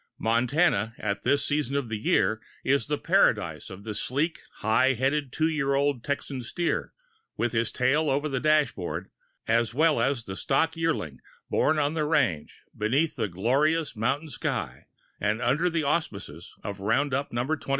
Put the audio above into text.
Montana, at this season of the year, is the paradise of the sleek, high headed, 2 year old Texan steer, with his tail over the dashboard, as well as the stock yearling, born on the range, beneath the glorious mountain sky and under the auspices of roundup No. 21.